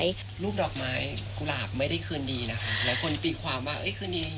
ลูกดอกไม้กุหลาบไม่ได้คืนดีนะคะหลายคนตีความว่าเอ้ยคืนดี